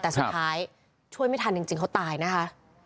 แต่สุดท้ายช่วยไม่ทันจริงเขาตายนะคะ